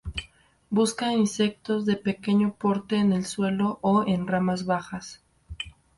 Busca insectos de pequeño porte en el suelo o en ramas bajas.